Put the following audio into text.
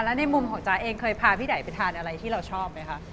แล้วในมุมของจ๊ะเองเคยพาพี่ไดไปทานอะไรที่เราชอบไหมคะ